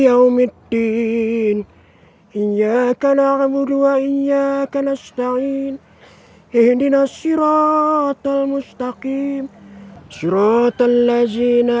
yawmiddin iyyaka naqbudu wa iyyaka nashtain ehdinasirata al mustaqim sirata allazina